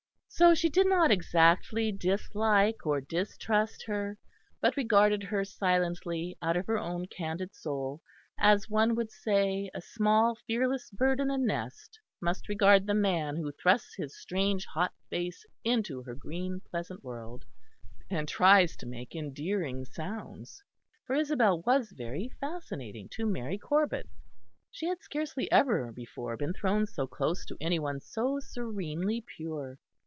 So she did not exactly dislike or distrust her, but regarded her silently out of her own candid soul, as one would say a small fearless bird in a nest must regard the man who thrusts his strange hot face into her green pleasant world, and tries to make endearing sounds. For Isabel was very fascinating to Mary Corbet. She had scarcely ever before been thrown so close to any one so serenely pure.